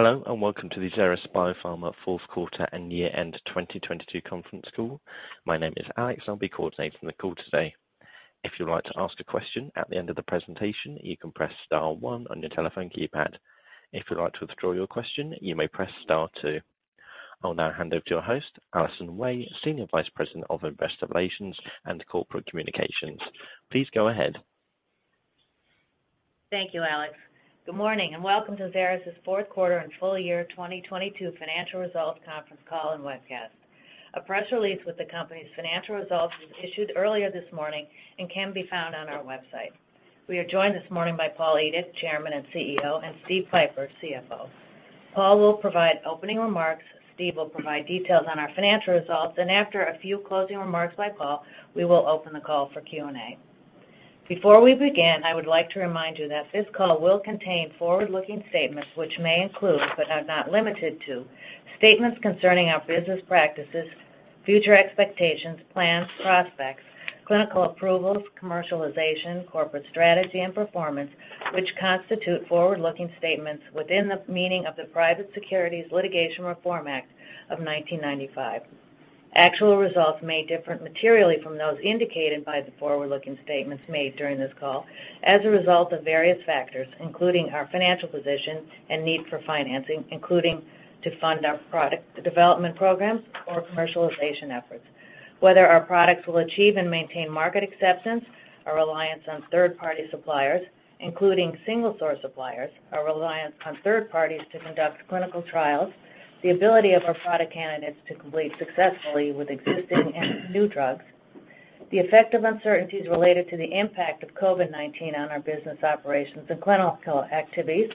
Hello, welcome to the Xeris Biopharma fourth quarter and year-end 2022 conference call. My name is Alex, I'll be coordinating the call today. If you'd like to ask a question at the end of the presentation, you can press star one on your telephone keypad. If you'd like to withdraw your question, you may press star two. I'll now hand over to your host, Allison Wey, Senior Vice President of Investor Relations and Corporate Communications. Please go ahead. Thank you, Alex. Good morning, welcome to Xeris' fourth quarter and full year 2022 financial results conference call and webcast. A press release with the company's financial results was issued earlier this morning and can be found on our website. We are joined this morning by Paul Edick, Chairman and CEO, and Steve Pieper, CFO. Paul will provide opening remarks, Steve will provide details on our financial results, after a few closing remarks by Paul, we will open the call for Q&A. Before we begin, I would like to remind you that this call will contain forward-looking statements which may include, but are not limited to, statements concerning our business practices, future expectations, plans, prospects, clinical approvals, commercialization, corporate strategy, and performance, which constitute forward-looking statements within the meaning of the Private Securities Litigation Reform Act of 1995. Actual results may differ materially from those indicated by the forward-looking statements made during this call as a result of various factors, including our financial position and need for financing, including to fund our product development programs or commercialization efforts. Whether our products will achieve and maintain market acceptance, our reliance on third-party suppliers, including single source suppliers, our reliance on third parties to conduct clinical trials, the ability of our product candidates to complete successfully with existing and new drugs, the effect of uncertainties related to the impact of COVID-19 on our business operations and clinical activities,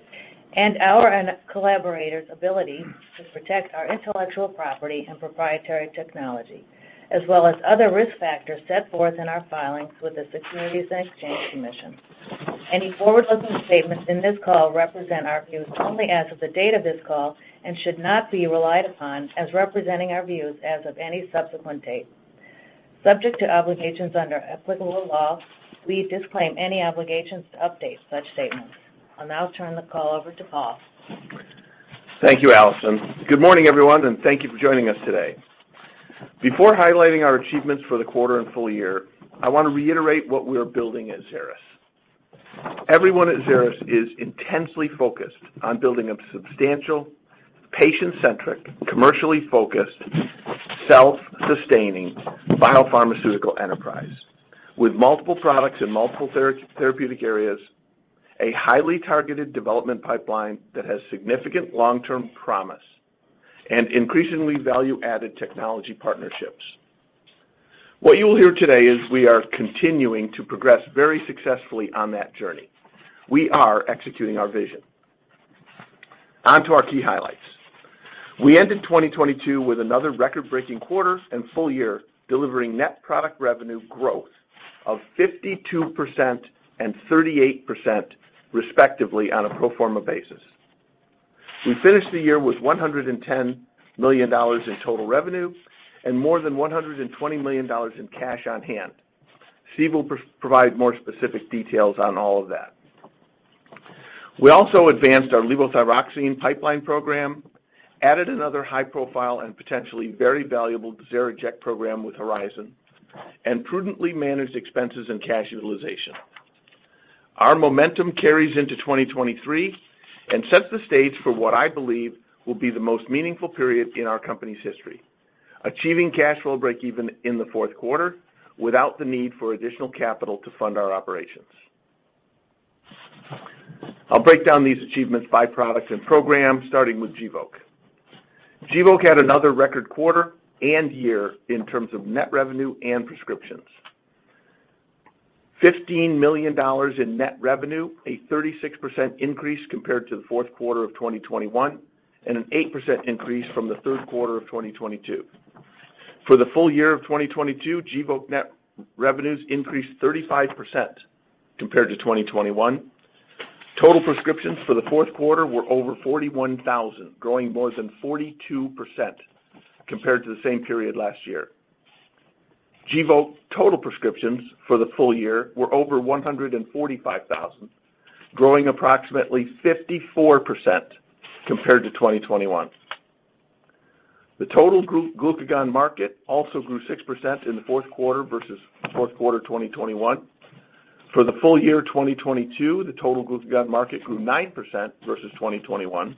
and our and collaborators' ability to protect our intellectual property and proprietary technology, as well as other risk factors set forth in our filings with the Securities and Exchange Commission. Any forward-looking statements in this call represent our views only as of the date of this call and should not be relied upon as representing our views as of any subsequent date. Subject to obligations under applicable law, we disclaim any obligations to update such statements. I'll now turn the call over to Paul. Thank you, Allison. Good morning, everyone. Thank you for joining us today. Before highlighting our achievements for the quarter and full year, I want to reiterate what we are building at Xeris. Everyone at Xeris is intensely focused on building a substantial, patient-centric, commercially focused, self-sustaining biopharmaceutical enterprise with multiple products in multiple therapeutic areas, a highly targeted development pipeline that has significant long-term promise, and increasingly value-added technology partnerships. What you will hear today is we are continuing to progress very successfully on that journey. We are executing our vision. On to our key highlights. We ended 2022 with another record-breaking quarter and full year, delivering net product revenue growth of 52% and 38% respectively on a pro forma basis. We finished the year with $110 million in total revenue and more than $120 million in cash on hand. Steve will provide more specific details on all of that. We also advanced our levothyroxine pipeline program, added another high profile and potentially very valuable XeriJect program with Horizon, prudently managed expenses and cash utilization. Our momentum carries into 2023 an sets the stage for what I believe will be the most meaningful period in our company's history, achieving cash flow break even in the fourth quarter without the need for additional capital to fund our operations. I'll break down these achievements by products and programs, starting with Gvoke. Gvoke had another record quarter and year in terms of net revenue and prescriptions. $15 million in net revenue, a 36% increase compared to the fourth quarter of 2021, and an 8% increase from the third quarter of 2022. For the full year of 2022, Gvoke net revenues increased 35% compared to 2021. Total prescriptions for the fourth quarter were over 41,000, growing more than 42% compared to the same period last year. Gvoke total prescriptions for the full year were over 145,000, growing approximately 54% compared to 2021. The total glucagon market also grew 6% in the fourth quarter versus fourth quarter 2021. For the full year 2022, the total glucagon market grew 9% versus 2021.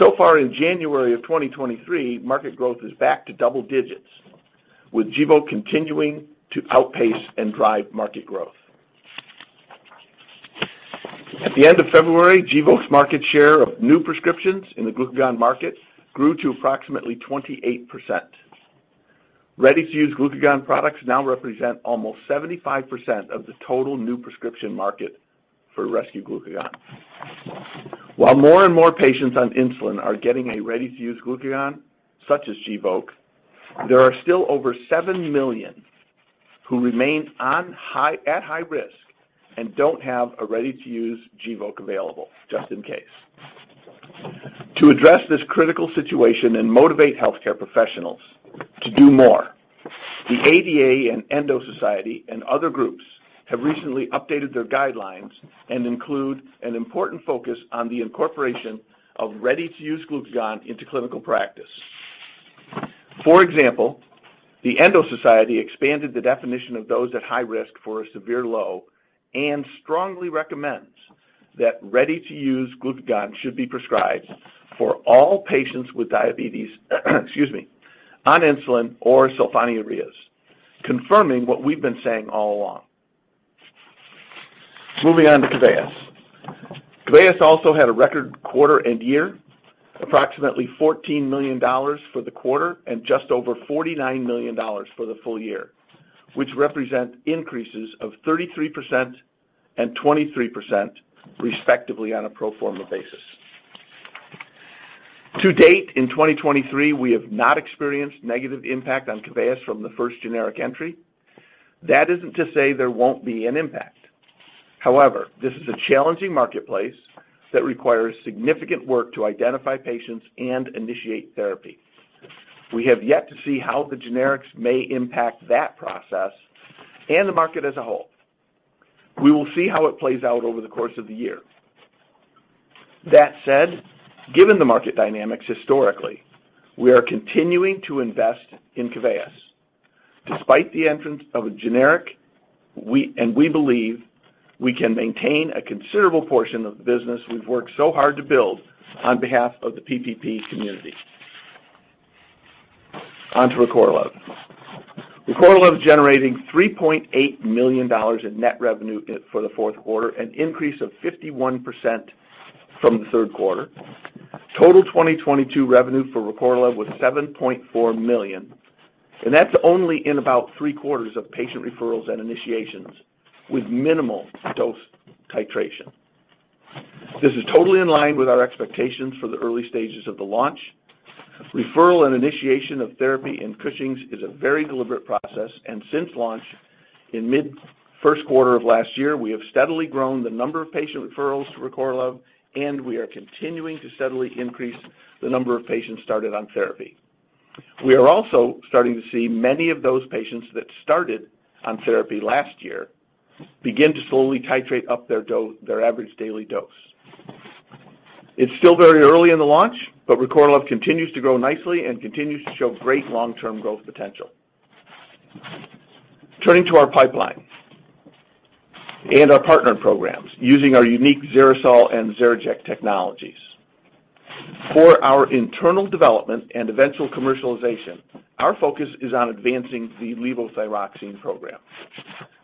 So far in January of 2023, market growth is back to double digits, with Gvoke continuing to outpace and drive market growth. At the end of February, Gvoke's market share of new prescriptions in the glucagon market grew to approximately 28%. Ready to use glucagon products now represent almost 75% of the total new prescription market for rescue glucagon. While more and more patients on insulin are getting a ready-to-use glucagon, such as Gvoke, there are still over 7 million who remain at high risk and don't have a ready-to-use Gvoke available just in case. To address this critical situation and motivate healthcare professionals to do more, the ADA and Endo Society and other groups have recently updated their guidelines and include an important focus on the incorporation of ready-to-use glucagon into clinical practice. For example, the Endocrine Society expanded the definition of those at high risk for a severe low and strongly recommends that ready-to-use glucagon should be prescribed for all patients with diabetes, excuse me, on insulin or sulfonylureas, confirming what we've been saying all along. Moving on to Keveyis. Keveyis also had a record quarter and year, approximately $14 million for the quarter and just over $49 million for the full year, which represent increases of 33% and 23% respectively on a pro forma basis. To date, in 2023, we have not experienced negative impact on Keveyis from the first generic entry. That isn't to say there won't be an impact. However, this is a challenging marketplace that requires significant work to identify patients and initiate therapy. We have yet to see how the generics may impact that process and the market as a whole. We will see how it plays out over the course of the year. That said, given the market dynamics historically, we are continuing to invest in Keveyis. Despite the entrance of a generic, and we believe we can maintain a considerable portion of the business we've worked so hard to build on behalf of the PPP community. Onto Recorlev. Recorlev generating $3.8 million in net revenue for the fourth quarter, an increase of 51% from the third quarter. Total 2022 revenue for Recorlev was $7.4 million, and that's only in about three-quarters of patient referrals and initiations with minimal dose titration. This is totally in line with our expectations for the early stages of the launch. Referral and initiation of therapy in Cushing's is a very deliberate process. Since launch in mid first quarter of last year, we have steadily grown the number of patient referrals to Recorlev, and we are continuing to steadily increase the number of patients started on therapy. We are also starting to see many of those patients that started on therapy last year begin to slowly titrate up their average daily dose. It's still very early in the launch, Recorlev continues to grow nicely and continues to show great long-term growth potential. Turning to our pipeline and our partner programs using our unique XeriSol and XeriJect technologies. For our internal development and eventual commercialization, our focus is on advancing the levothyroxine program.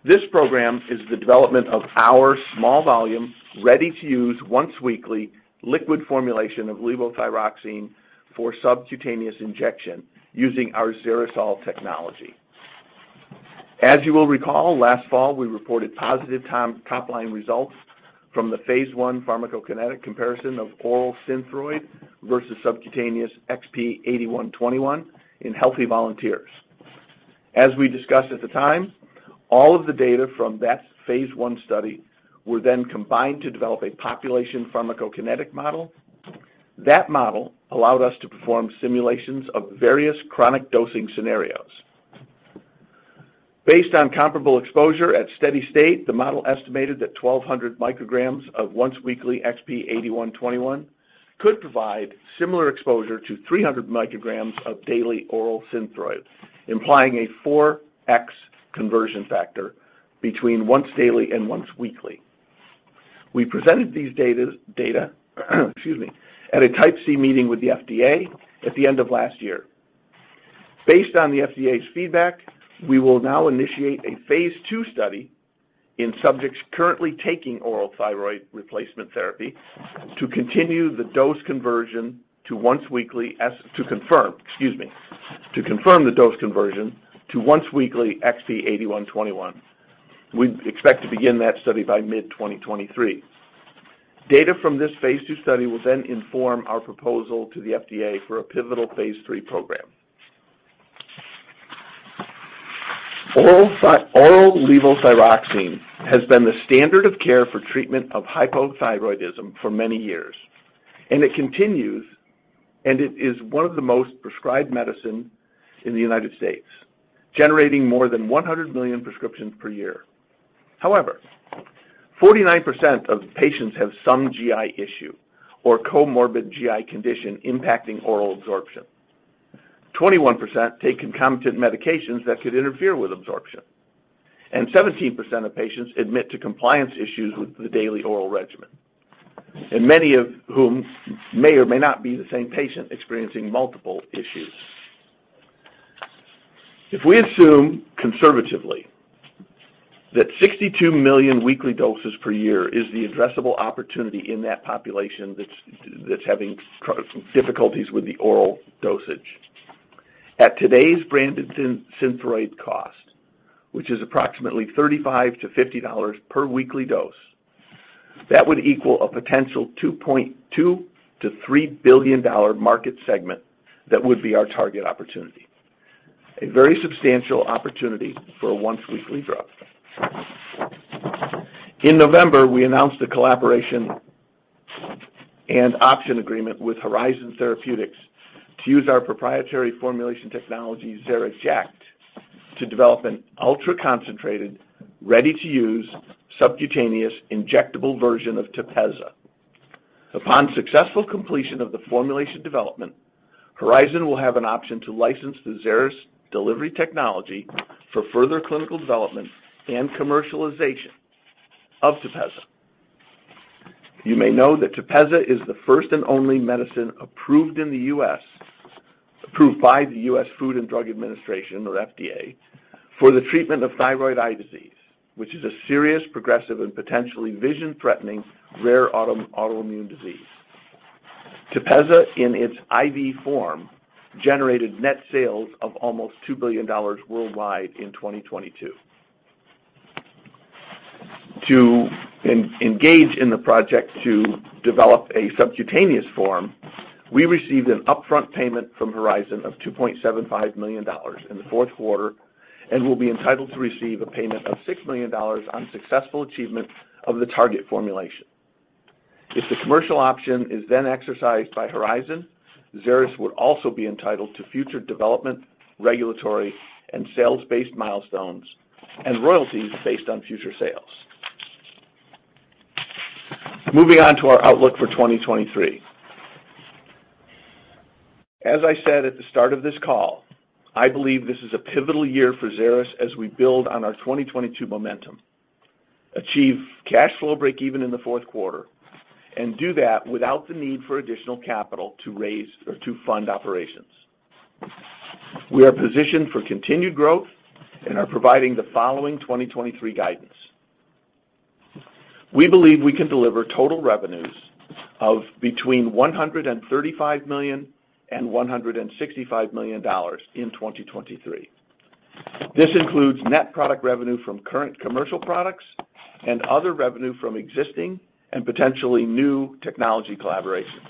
This program is the development of our small volume, ready-to-use, once weekly liquid formulation of levothyroxine for subcutaneous injection using our XeriSol technology. As you will recall, last fall, we reported positive top-line results from the phase I pharmacokinetic comparison of oral Synthroid versus subcutaneous XP-8121 in healthy volunteers. As we discussed at the time, all of the data from that phase I study were then combined to develop a population pharmacokinetic model. That model allowed us to perform simulations of various chronic dosing scenarios. Based on comparable exposure at steady state, the model estimated that 1,200 micrograms of once weekly XP-8121 could provide similar exposure to 300 micrograms of daily oral Synthroid, implying a 4x conversion factor between once daily and once weekly. We presented these data, excuse me, at a Type C meeting with the FDA at the end of last year. Based on the FDA's feedback, we will now initiate a phase II study in subjects currently taking oral thyroid replacement therapy to confirm, excuse me. To confirm the dose conversion to once weekly XP-8121. We expect to begin that study by mid-2023. Data from this phase II study will then inform our proposal to the FDA for a pivotal phase III program. Oral levothyroxine has been the standard of care for treatment of hypothyroidism for many years, and it is one of the most prescribed medicine in the United States, generating more than 100 million prescriptions per year. However, 49% of patients have some GI issue or comorbid GI condition impacting oral absorption. 21% take concomitant medications that could interfere with absorption, and 17% of patients admit to compliance issues with the daily oral regimen, and many of whom may or may not be the same patient experiencing multiple issues. If we assume conservatively that 62 million weekly doses per year is the addressable opportunity in that population that's having difficulties with the oral dosage, at today's branded Synthroid cost, which is approximately $35-$50 per weekly dose, that would equal a potential $2.2 billion-$3 billion market segment that would be our target opportunity. A very substantial opportunity for a once-weekly drug. In November, we announced a collaboration and option agreement with Horizon Therapeutics to use our proprietary formulation technology, XeriJect, to develop an ultra-concentrated, ready-to-use subcutaneous injectable version of TEPEZZA. Upon successful completion of the formulation development, Horizon will have an option to license the Xeris delivery technology for further clinical development and commercialization of TEPEZZA. You may know that TEPEZZA is the first and only medicine approved by the U.S. Food and Drug Administration, or FDA, for the treatment of Thyroid Eye Disease, which is a serious, progressive, and potentially vision-threatening rare autoimmune disease. TEPEZZA, in its IV form, generated net sales of almost $2 billion worldwide in 2022. To engage in the project to develop a subcutaneous form, we received an upfront payment from Horizon of $2.75 million in the fourth quarter, will be entitled to receive a payment of $6 million on successful achievement of the target formulation. If the commercial option is then exercised by Horizon, Xeris would also be entitled to future development, regulatory, and sales-based milestones and royalties based on future sales. Moving on to our outlook for 2023. As I said at the start of this call, I believe this is a pivotal year for Xeris as we build on our 2022 momentum, achieve cash flow breakeven in the fourth quarter, and do that without the need for additional capital to raise or to fund operations. We are positioned for continued growth and are providing the following 2023 guidance. We believe we can deliver total revenues of between $135 million and $165 million in 2023. This includes net product revenue from current commercial products and other revenue from existing and potentially new technology collaborations.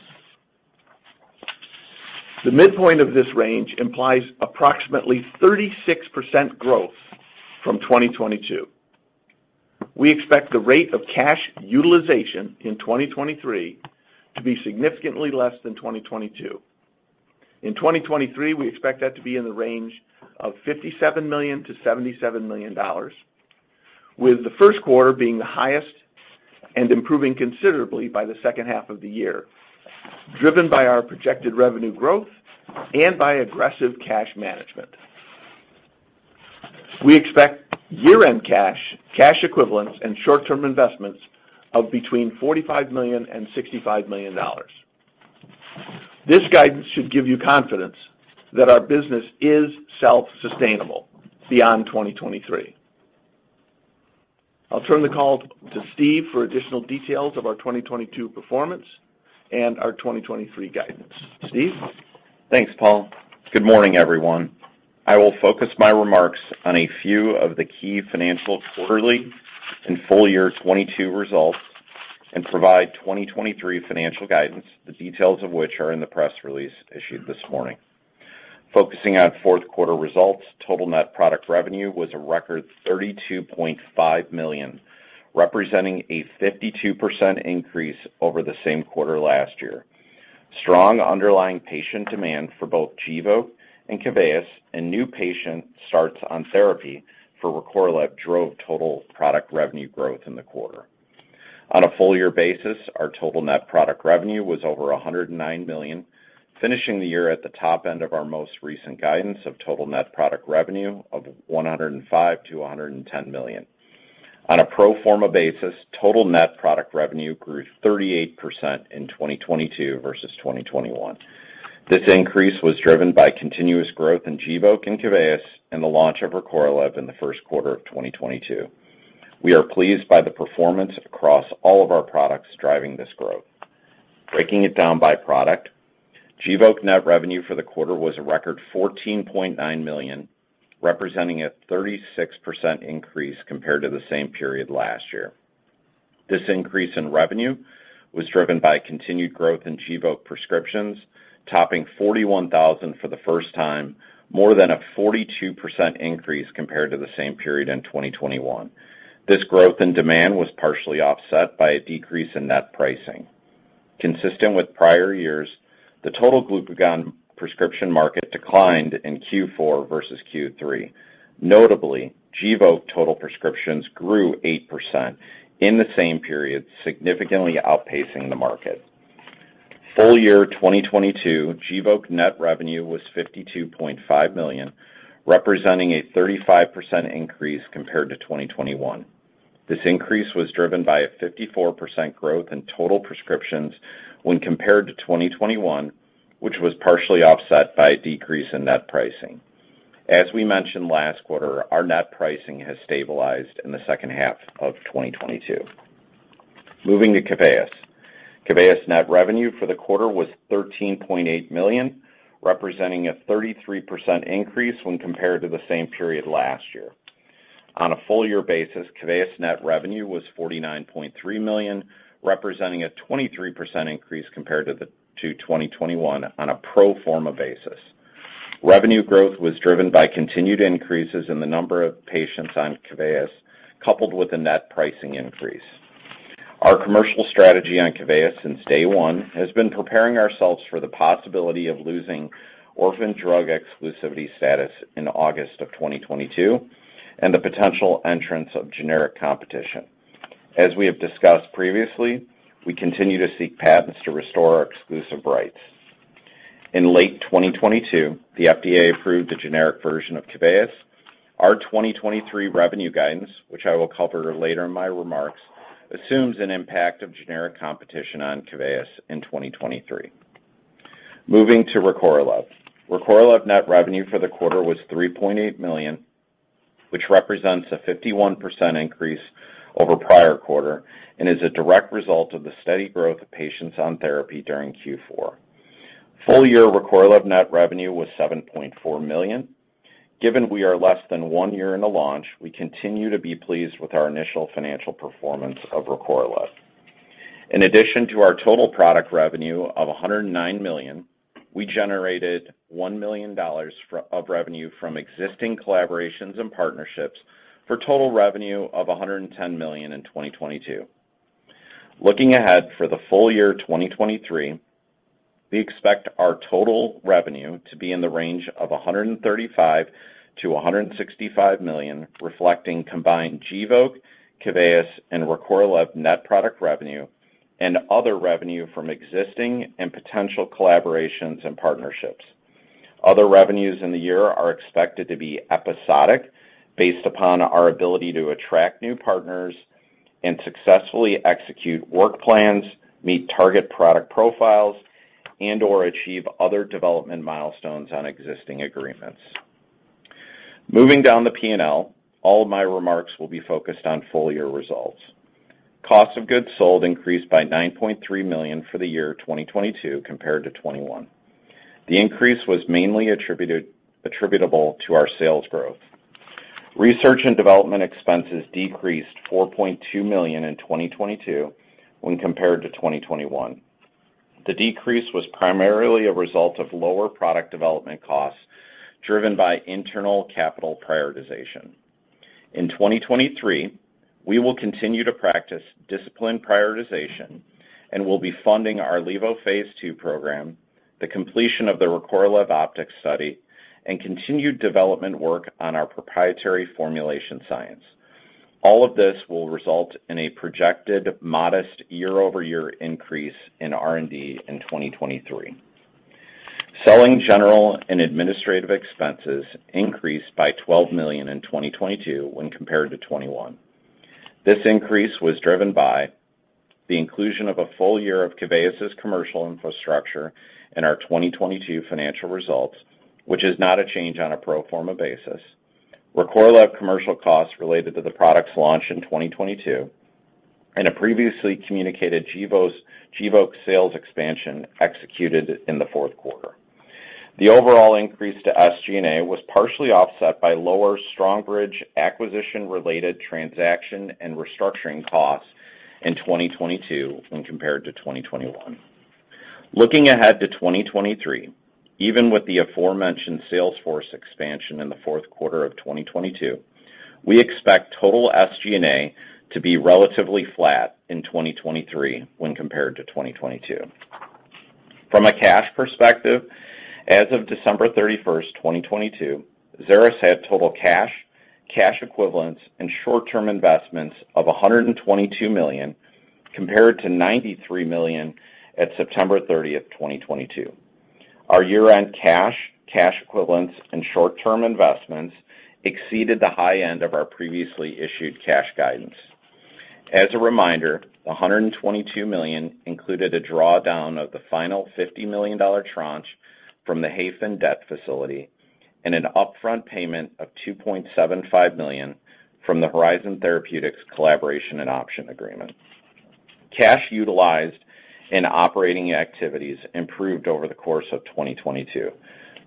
The midpoint of this range implies approximately 36% growth from 2022. We expect the rate of cash utilization in 2023 to be significantly less than 2022. In 2023, we expect that to be in the range of $57 million-$77 million, with the first quarter being the highest and improving considerably by the second half of the year, driven by our projected revenue growth and by aggressive cash management. We expect year-end cash equivalents, and short-term investments of between $45 million and $65 million. This guidance should give you confidence that our business is self-sustainable beyond 2023. I'll turn the call to Steve for additional details of our 2022 performance and our 2023 guidance. Steve? Thanks, Paul. Good morning, everyone. I will focus my remarks on a few of the key financial quarterly and full-year 2022 results and provide 2023 financial guidance, the details of which are in the press release issued this morning. Focusing on fourth quarter results, total net product revenue was a record $32.5 million, representing a 52% increase over the same quarter last year. Strong underlying patient demand for both Gvoke and Keveyis and new patient starts on therapy for Recorlev drove total product revenue growth in the quarter. On a full year basis, our total net product revenue was over $109 million, finishing the year at the top end of our most recent guidance of total net product revenue of $105 million-$110 million. On a pro forma basis, total net product revenue grew 38% in 2022 versus 2021. This increase was driven by continuous growth in Gvoke and KEVEYIS and the launch of RECORLEV in the first quarter of 2022. We are pleased by the performance across all of our products driving this growth. Breaking it down by product, Gvoke net revenue for the quarter was a record $14.9 million, representing a 36% increase compared to the same period last year. This increase in revenue was driven by continued growth in Gvoke prescriptions, topping 41,000 for the first time, more than a 42% increase compared to the same period in 2021. This growth in demand was partially offset by a decrease in net pricing. Consistent with prior years, the total glucagon prescription market declined in Q4 versus Q3. Notably, Gvoke total prescriptions grew 8% in the same period, significantly outpacing the market. Full year 2022, Gvoke net revenue was $52.5 million, representing a 35% increase compared to 2021. This increase was driven by a 54% growth in total prescriptions when compared to 2021, which was partially offset by a decrease in net pricing. As we mentioned last quarter, our net pricing has stabilized in the second half of 2022. Moving to Keveyis. Keveyis net revenue for the quarter was $13.8 million, representing a 33% increase when compared to the same period last year. On a full year basis, KEVEYIS net revenue was $49.3 million, representing a 23% increase compared to 2021 on a pro forma basis. Revenue growth was driven by continued increases in the number of patients on KEVEYIS, coupled with a net pricing increase. Our commercial strategy on KEVEYIS since day one has been preparing ourselves for the possibility of losing orphan drug exclusivity status in August of 2022 and the potential entrance of generic competition. As we have discussed previously, we continue to seek patents to restore our exclusive rights. In late 2022, the FDA approved a generic version of KEVEYIS. Our 2023 revenue guidance, which I will cover later in my remarks, assumes an impact of generic competition on KEVEYIS in 2023. Moving to RECORLEV. Recorlev net revenue for the quarter was $3.8 million, which represents a 51% increase over prior quarter and is a direct result of the steady growth of patients on therapy during Q4. Full year Recorlev net revenue was $7.4 million. Given we are less than one year in the launch, we continue to be pleased with our initial financial performance of Recorlev. In addition to our total product revenue of $109 million, we generated $1 million of revenue from existing collaborations and partnerships for total revenue of $110 million in 2022. Looking ahead for the full year 2023, we expect our total revenue to be in the range of $135 million-$165 million, reflecting combined Gvoke, Keveyis and Recorlev net product revenue and other revenue from existing and potential collaborations and partnerships. Other revenues in the year are expected to be episodic based upon our ability to attract new partners and successfully execute work plans, meet target product profiles, and or achieve other development milestones on existing agreements. Moving down the P&L, all of my remarks will be focused on full year results. Cost of goods sold increased by $9.3 million for the year 2022 compared to 2021. The increase was mainly attributable to our sales growth. Research and development expenses decreased $4.2 million in 2022 when compared to 2021. The decrease was primarily a result of lower product development costs driven by internal capital prioritization. In 2023, we will continue to practice disciplined prioritization, we'll be funding our levo phase II program, the completion of the Recorlev OPTICS study, and continued development work on our proprietary formulation science. All of this will result in a projected modest year-over-year increase in R&D in 2023. Selling, general and administrative expenses increased by $12 million in 2022 when compared to 2021. This increase was driven by the inclusion of a full year of Keveyis's commercial infrastructure in our 2022 financial results, which is not a change on a pro forma basis, Recorlev commercial costs related to the product's launch in 2022, and a previously communicated Gvoke sales expansion executed in the fourth quarter. The overall increase to SG&A was partially offset by lower Strongbridge acquisition-related transaction and restructuring costs in 2022 when compared to 2021. Looking ahead to 2023, even with the aforementioned sales force expansion in the fourth quarter of 2022, we expect total SG&A to be relatively flat in 2023 when compared to 2022. From a cash perspective, as of December 31st, 2022, Xeris had total cash equivalents and short-term investments of $122 million, compared to $93 million at September 30th, 2022. Our year-end cash equivalents, and short-term investments exceeded the high end of our previously issued cash guidance. As a reminder, $122 million included a drawdown of the final $50 million tranche from the Hayfin debt facility and an upfront payment of $2.75 million from the Horizon Therapeutics collaboration and option agreement. Cash utilized in operating activities improved over the course of 2022,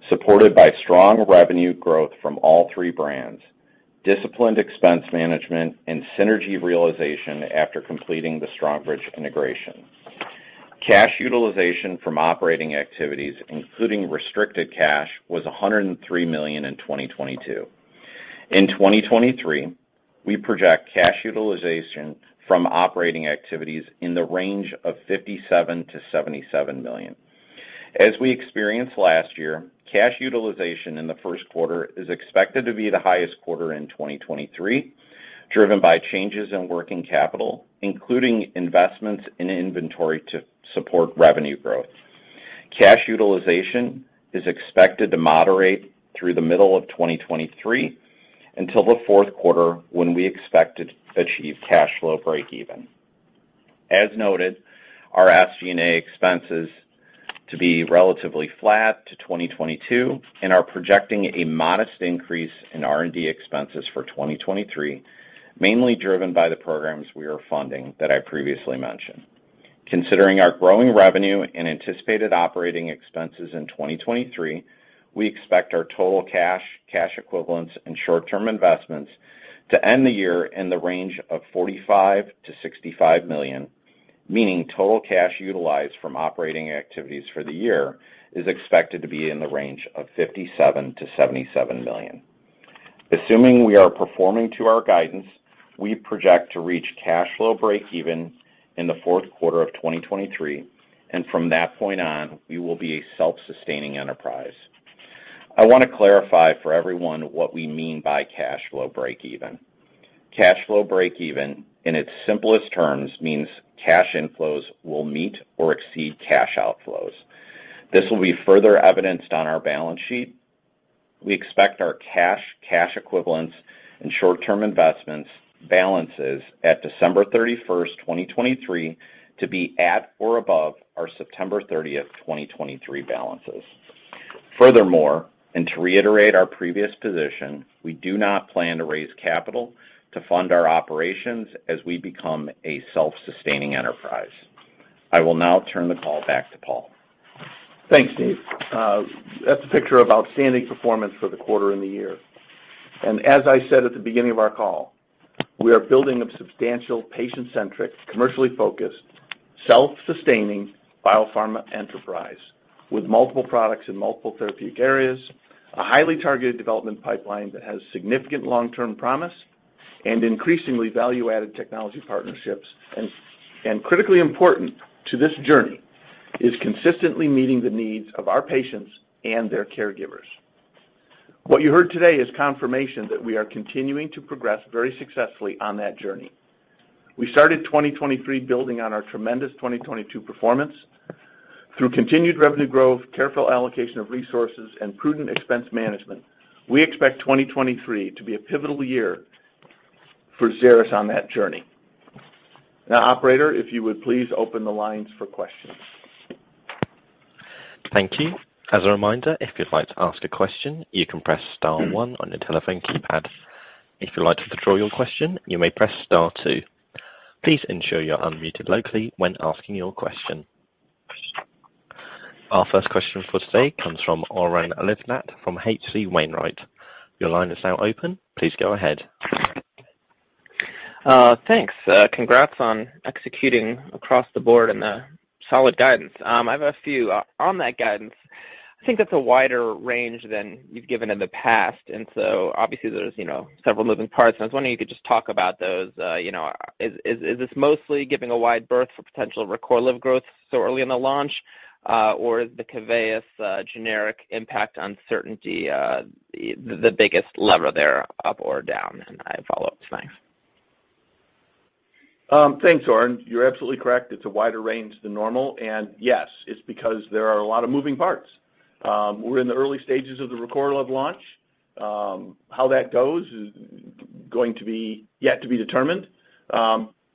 supported by strong revenue growth from all three brands, disciplined expense management, and synergy realization after completing the Strongbridge integration. Cash utilization from operating activities, including restricted cash, was $103 million in 2022. In 2023, we project cash utilization from operating activities in the range of $57 million-$77 million. As we experienced last year, cash utilization in the first quarter is expected to be the highest quarter in 2023, driven by changes in working capital, including investments in inventory to support revenue growth. Cash utilization is expected to moderate through the middle of 2023 until the fourth quarter, when we expect to achieve cash flow breakeven. As noted, our SG&A expenses to be relatively flat to 2022 and are projecting a modest increase in R&D expenses for 2023, mainly driven by the programs we are funding that I previously mentioned. Considering our growing revenue and anticipated operating expenses in 2023, we expect our total cash equivalents, and short-term investments to end the year in the range of $45 million-$65 million. Meaning total cash utilized from operating activities for the year is expected to be in the range of $57 million-$77 million. Assuming we are performing to our guidance, we project to reach cash flow breakeven in the fourth quarter of 2023, and from that point on, we will be a self-sustaining enterprise. I want to clarify for everyone what we mean by cash flow breakeven. Cash flow breakeven, in its simplest terms, means cash inflows will meet or exceed cash outflows. This will be further evidenced on our balance sheet. We expect our cash equivalents, and short-term investments balances at December 31st, 2023, to be at or above our September 30th, 2023 balances. To reiterate our previous position, we do not plan to raise capital to fund our operations as we become a self-sustaining enterprise. I will now turn the call back to Paul. Thanks, Dave. That's a picture of outstanding performance for the quarter and the year. As I said at the beginning of our call, we are building a substantial, patient-centric, commercially focused, self-sustaining biopharma enterprise with multiple products in multiple therapeutic areas, a highly targeted development pipeline that has significant long-term promise, and increasingly value-added technology partnerships. And critically important to this journey is consistently meeting the needs of our patients and their caregivers. What you heard today is confirmation that we are continuing to progress very successfully on that journey. We started 2023 building on our tremendous 2022 performance. Through continued revenue growth, careful allocation of resources, and prudent expense management, we expect 2023 to be a pivotal year for Xeris on that journey. Now, operator, if you would please open the lines for questions. Thank you. As a reminder, if you'd like to ask a question, you can press star one on your telephone keypad. If you'd like to withdraw your question, you may press star two. Please ensure you're unmuted locally when asking your question. Our first question for today comes from Oren Livnat from H.C. Wainwright. Your line is now open. Please go ahead. Thanks. Congrats on executing across the board and the solid guidance. I have a few on that guidance. I think that's a wider range than you've given in the past. Obviously there's, you know, several moving parts. I was wondering if you could just talk about those. You know, is this mostly giving a wide berth for potential Recorlev growth so early in the launch, or is the Keveyis generic impact uncertainty the biggest lever there up or down? I have follow-ups. Thanks. Thanks, Oren. You're absolutely correct. It's a wider range than normal. Yes, it's because there are a lot of moving parts. We're in the early stages of the Recorlev launch. How that goes is going to be yet to be determined.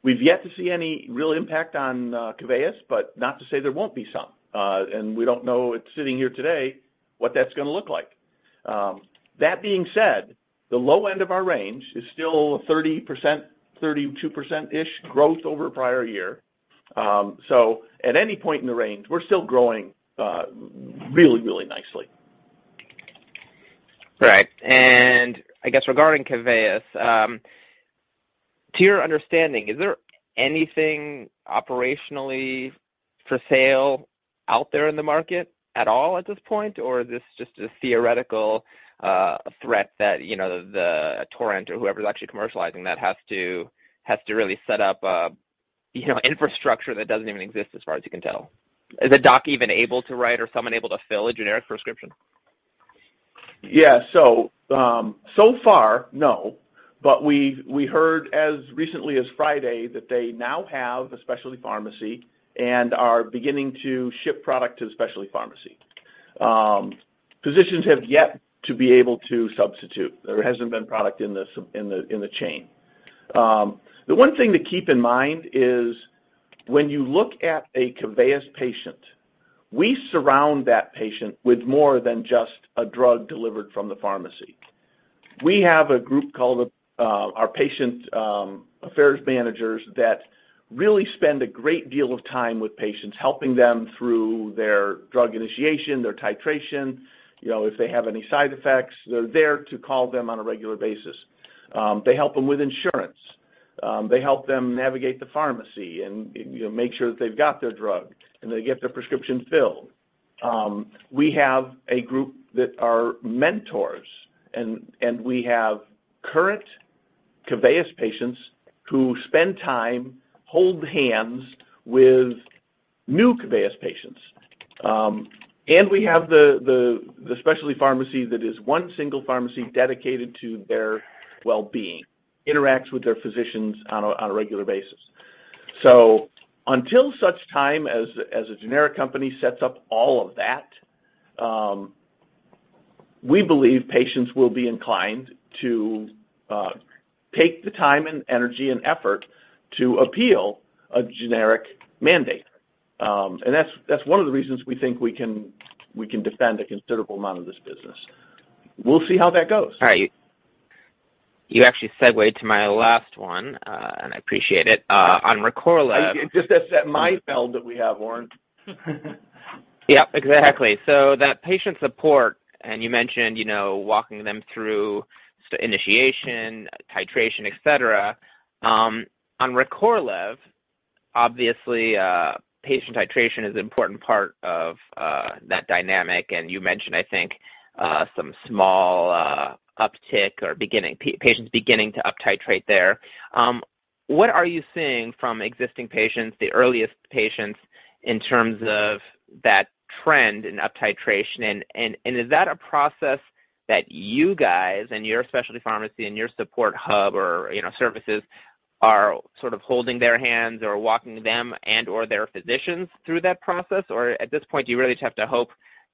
We've yet to see any real impact on Keveyis, but not to say there won't be some. We don't know it's sitting here today what that's gonna look like. That being said, the low end of our range is still 30%, 32%-ish growth over prior year. At any point in the range, we're still growing really, really nicely. Right. I guess regarding Keveyis, to your understanding, is there anything operationally for sale out there in the market at all at this point, or is this just a theoretical threat that, you know, the Torrent or whoever's actually commercializing that has to really set up a, you know, infrastructure that doesn't even exist as far as you can tell? Is a doc even able to write or someone able to fill a generic prescription? So far, no. We heard as recently as Friday that they now have a specialty pharmacy and are beginning to ship product to the specialty pharmacy. Physicians have yet to be able to substitute. There hasn't been product in the chain. The one thing to keep in mind is when you look at a Keveyis patient, we surround that patient with more than just a drug delivered from the pharmacy. We have a group called, our patient affairs managers that really spend a great deal of time with patients, helping them through their drug initiation, their titration. You know, if they have any side effects, they're there to call them on a regular basis. They help them with insurance. They help them navigate the pharmacy and, you know, make sure that they've got their drug and they get their prescription filled. We have a group that are mentors, and we have current Keveyis patients who spend time, hold hands with new Keveyis patients. We have the specialty pharmacy that is one single pharmacy dedicated to their well-being, interacts with their physicians on a regular basis. Until such time as a generic company sets up all of that, we believe patients will be inclined to take the time and energy and effort to appeal a generic mandate. That's one of the reasons we think we can defend a considerable amount of this business. We'll see how that goes. All right. You actually segued to my last one, and I appreciate it. On Recorlev Just that's that mind meld that we have, Oren. Yeah, exactly. That patient support and you mentioned, you know, walking them through initiation, titration, et cetera. On Recorlev, obviously, patient titration is an important part of that dynamic. You mentioned, I think, some small uptick or patients beginning to up titrate there. What are you seeing from existing patients, the earliest patients in terms of that trend in up titration? And is that a process that you guys and your specialty pharmacy and your support hub or, you know, services are sort of holding their hands or walking them and or their physicians through that process? Or at this point, do you really just have to hope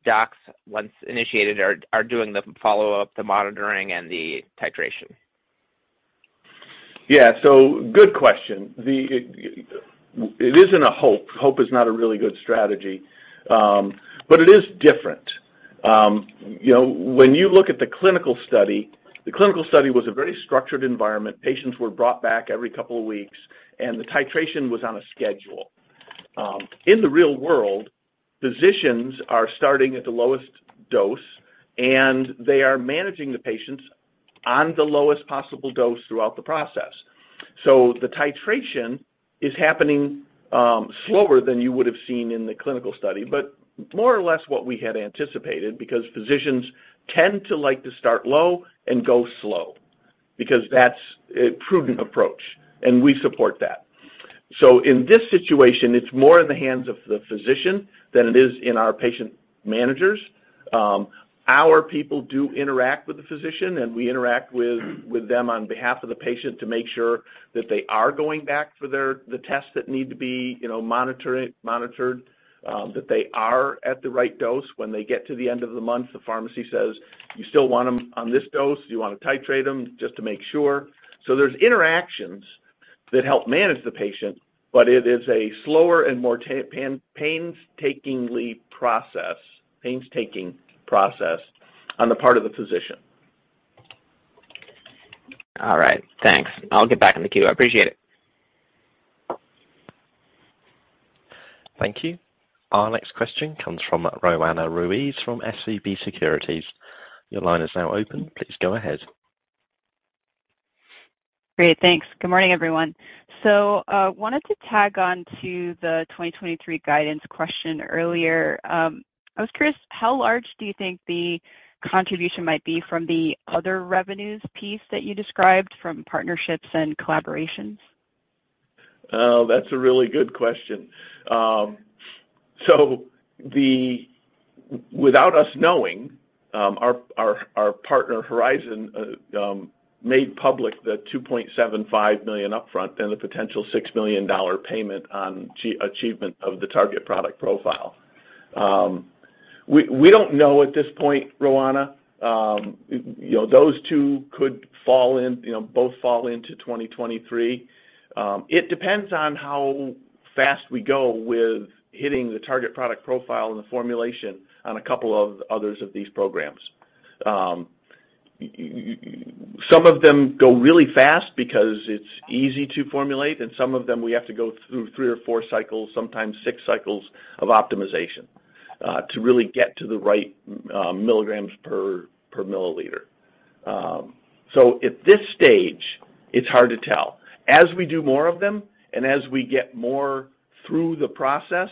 docs, once initiated, are doing the follow-up, the monitoring and the titration? Yeah. Good question. The, it isn't a hope. Hope is not a really good strategy, but it is different. You know, when you look at the clinical study, the clinical study was a very structured environment. Patients were brought back every couple of weeks, and the titration was on a schedule. In the real world, physicians are starting at the lowest dose, and they are managing the patients on the lowest possible dose throughout the process. The titration is happening slower than you would have seen in the clinical study, but more or less what we had anticipated because physicians tend to like to start low and go slow because that's a prudent approach, and we support that. In this situation, it's more in the hands of the physician than it is in our patient managers. Our people do interact with the physician. We interact with them on behalf of the patient to make sure that they are going back for the tests that need to be, you know, monitored, that they are at the right dose. When they get to the end of the month, the pharmacy says, "You still want them on this dose. Do you want to titrate them just to make sure?" There's interactions that help manage the patient, but it is a slower and more painstaking process on the part of the physician. All right. Thanks. I'll get back in the queue. I appreciate it. Thank you. Our next question comes from Roanna Ruiz from SVB Securities. Your line is now open. Please go ahead. Great. Thanks. Good morning, everyone. wanted to tag on to the 2023 guidance question earlier. I was curious, how large do you think the contribution might be from the other revenues piece that you described from partnerships and collaborations? Oh, that's a really good question. Without us knowing, our partner, Horizon, made public the $2.75 million upfront and the potential $6 million payment on achievement of the target product profile. We don't know at this point, Roanna. You know, those two could fall in, you know, both fall into 2023. It depends on how fast we go with hitting the target product profile and the formulation on a couple of others of these programs. Some of them go really fast because it's easy to formulate, and some of them we have to go through 3 or 4 cycles, sometimes 6 cycles of optimization, to really get to the right milligrams per milliliter. At this stage, it's hard to tell. As we do more of them, and as we get more through the process,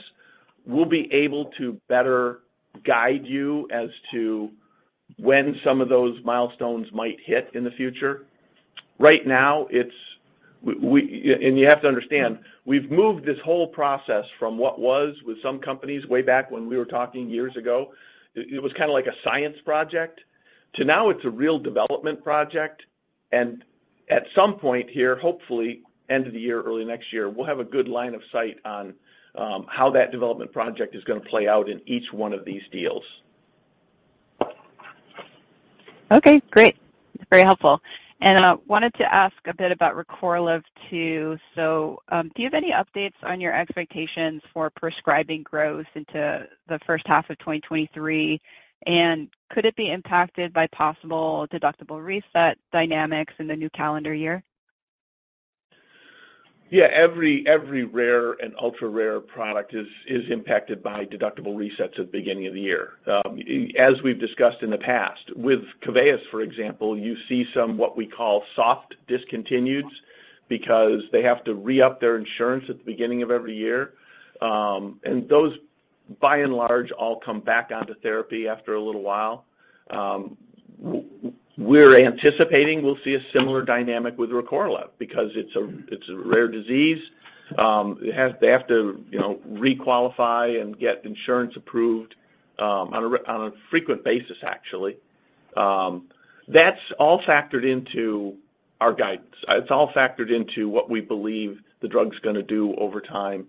we'll be able to better guide you as to when some of those milestones might hit in the future. Right now, we have to understand, we've moved this whole process from what was with some companies way back when we were talking years ago. It was kinda like a science project to now it's a real development project. At some point here, hopefully end of the year, early next year, we'll have a good line of sight on how that development project is gonna play out in each one of these deals. Okay, great. Very helpful. Wanted to ask a bit about Recorlev, too. Do you have any updates on your expectations for prescribing growth into the first half of 2023? Could it be impacted by possible deductible reset dynamics in the new calendar year? Yeah. Every rare and ultra-rare product is impacted by deductible resets at the beginning of the year. As we've discussed in the past, with Keveyis, for example, you see some what we call soft discontinues because they have to re-up their insurance at the beginning of every year. Those, by and large, all come back onto therapy after a little while. We're anticipating we'll see a similar dynamic with Recorlev because it's a rare disease. They have to, you know, re-qualify and get insurance approved on a frequent basis, actually. That's all factored into our guidance. It's all factored into what we believe the drug's gonna do over time.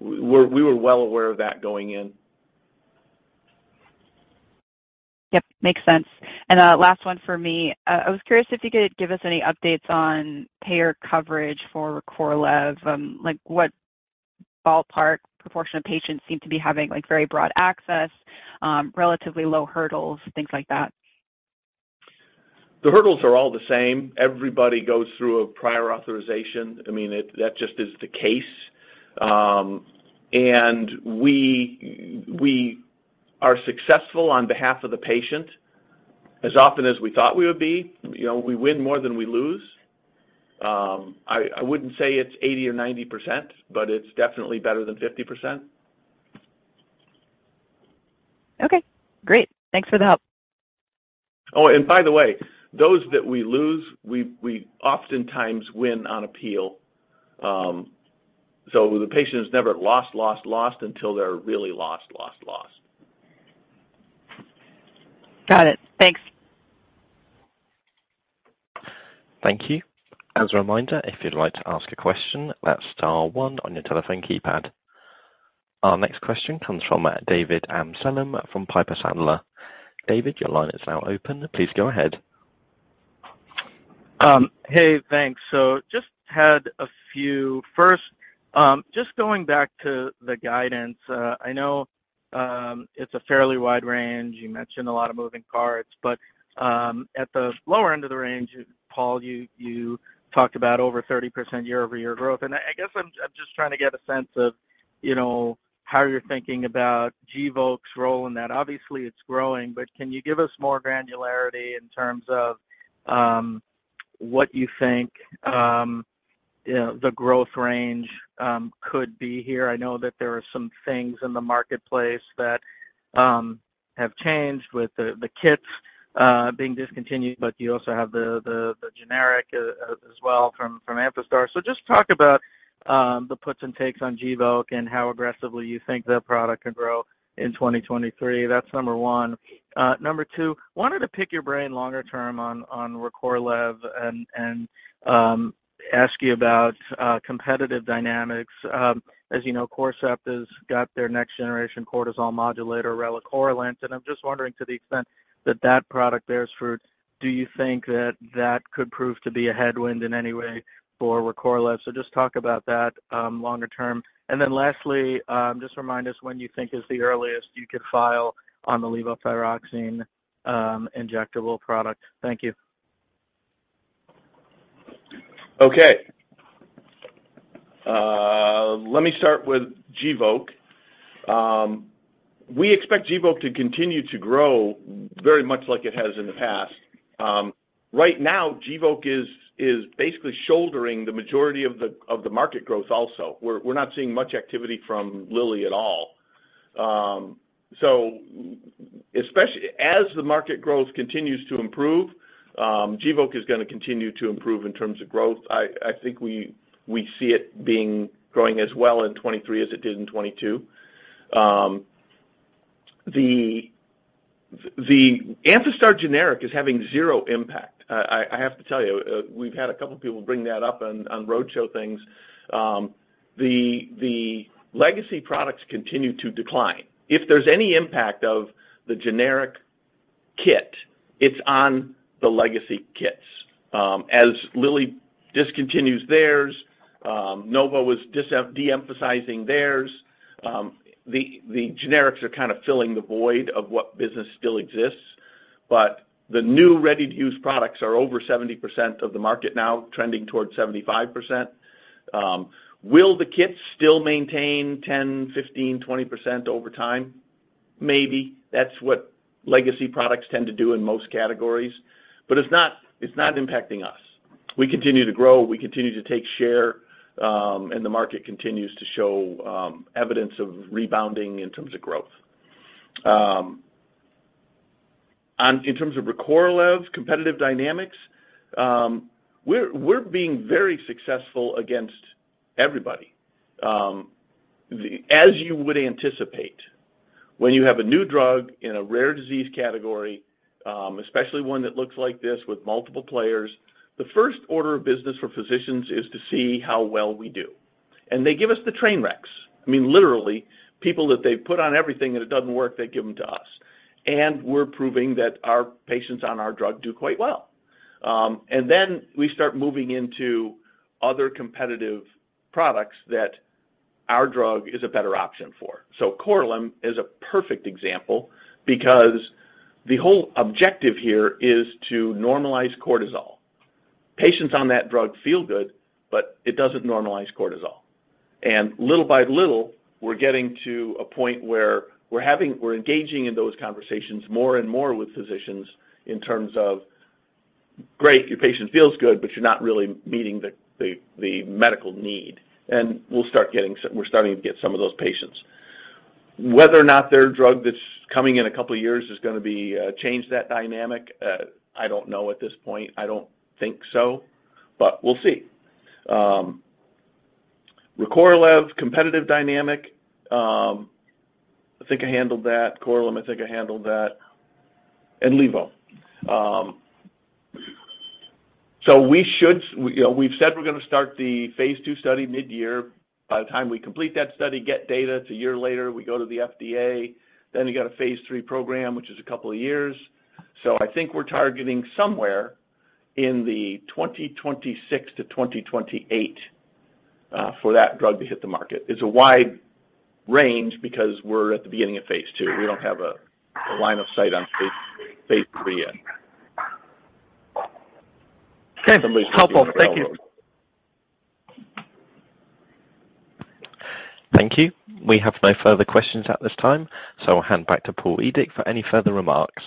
We were well aware of that going in. Yep, makes sense. Last one for me. I was curious if you could give us any updates on payer coverage for Recorlev, like what ballpark proportion of patients seem to be having, like, very broad access, relatively low hurdles, things like that? The hurdles are all the same. Everybody goes through a prior authorization. I mean, that just is the case. We are successful on behalf of the patient as often as we thought we would be. You know, we win more than we lose. I wouldn't say it's 80% or 90%, it's definitely better than 50%. Okay, great. Thanks for the help. Oh, by the way, those that we lose, we oftentimes win on appeal. The patient is never lost, lost until they're really lost, lost. Got it. Thanks. Thank you. As a reminder, if you'd like to ask a question, that's star one on your telephone keypad. Our next question comes from David Amsellem from Piper Sandler. David, your line is now open. Please go ahead. Hey, thanks. Just had a few. First, just going back to the guidance. I know, it's a fairly wide range. You mentioned a lot of moving parts. At the lower end of the range, Paul, you talked about over 30% year-over-year growth. I guess I'm just trying to get a sense of, you know, how you're thinking about Gvoke's role in that. Obviously, it's growing, but can you give us more granularity in terms of what you think, you know, the growth range could be here? I know that there are some things in the marketplace that have changed with the kits being discontinued, but you also have the generic as well from Amphastar. Just talk about the puts and takes on Gvoke and how aggressively you think that product could grow in 2023. That's number one. Number two, wanted to pick your brain longer term on Recorlev and ask you about competitive dynamics. As you know, Corcept has got their next generation cortisol modulator, relacorilant. I'm just wondering, to the extent that that product bears fruit, do you think that that could prove to be a headwind in any way for Recorlev? Just talk about that longer term. Lastly, just remind us when you think is the earliest you could file on the levothyroxine injectable product. Thank you. Okay. Let me start with Gvoke. We expect Gvoke to continue to grow very much like it has in the past. Right now, Gvoke is basically shouldering the majority of the market growth also. We're not seeing much activity from Lilly at all. As the market growth continues to improve, Gvoke is gonna continue to improve in terms of growth. I think we see it being growing as well in 2023 as it did in 2022. The Amphastar generic is having zero impact. I have to tell you, we've had a couple people bring that up on roadshow things. The legacy products continue to decline. If there's any impact of the generic kit, it's on the legacy kits. As Lilly discontinues theirs, Novo is de-emphasizing theirs, the generics are kind of filling the void of what business still exists. The new ready-to-use products are over 70% of the market now, trending towards 75%. Will the kits still maintain 10%, 15%, 20% over time? Maybe. That's what legacy products tend to do in most categories. It's not impacting us. We continue to grow. We continue to take share, and the market continues to show evidence of rebounding in terms of growth. In terms of Recorlev competitive dynamics, we're being very successful against everybody. As you would anticipate, when you have a new drug in a rare disease category, especially one that looks like this with multiple players, the first order of business for physicians is to see how well we do. They give us the train wrecks. I mean, literally, people that they've put on everything and it doesn't work, they give them to us. We're proving that our patients on our drug do quite well. Then we start moving into other competitive products that our drug is a better option for. Korlym is a perfect example because the whole objective here is to normalize cortisol. Patients on that drug feel good, but it doesn't normalize cortisol. Little by little, we're getting to a point where we're engaging in those conversations more and more with physicians in terms of, "Great, your patient feels good, but you're not really meeting the medical need." We're starting to get some of those patients. Whether or not their drug that's coming in a couple of years is gonna be change that dynamic, I don't know at this point. I don't think so, but we'll see. Recorlev competitive dynamic, I think I handled that. Korlym, I think I handled that. Levo. you know, we've said we're gonna start the phase II study midyear. By the time we complete that study, get data, it's a year later, we go to the FDA. You got a phase III program, which is a couple of years. I think we're targeting somewhere in the 2026-2028 for that drug to hit the market. It's a wide range because we're at the beginning of phase II. We don't have a line of sight on phase III yet. Okay. Top off. Thank you. Thank you. We have no further questions at this time, I'll hand back to Paul Edick for any further remarks.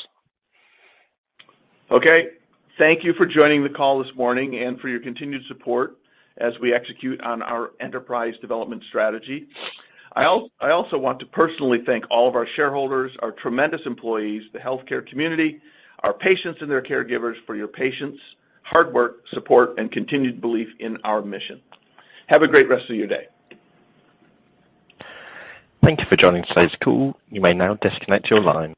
Okay. Thank you for joining the call this morning and for your continued support as we execute on our enterprise development strategy. I also want to personally thank all of our shareholders, our tremendous employees, the healthcare community, our patients and their caregivers for your patience, hard work, support, and continued belief in our mission. Have a great rest of your day. Thank you for joining today's call. You may now disconnect your line.